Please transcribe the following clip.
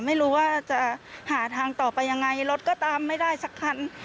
ไม่รู้ว่าจะหาทางต่อไปยังไงรถก็ตามไม่ได้สักคัน